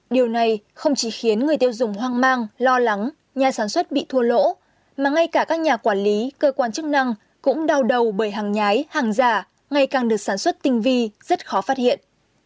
điều này không chỉ khiến người tiêu dùng hoang mang lo lắng nhà sản xuất bị thua lỗ mà ngay cả các nhà quản lý cơ quan chức năng cũng đau đầu bởi hàng nhái hàng giả ngày càng được sản xuất tinh vi rất khó phát hiện